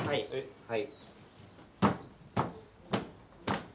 はい。